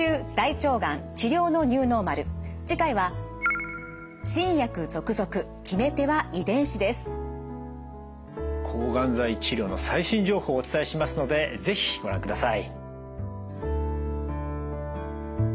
次回は抗がん剤治療の最新情報をお伝えしますので是非ご覧ください。